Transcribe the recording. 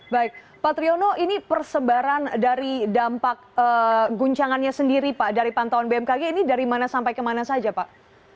baik pak triono ini persebaran dari dampak guncangannya sendiri pak dari pantauan bmkg ini dari mana sampai kemana saja pak